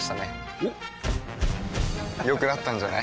おっ良くなったんじゃない？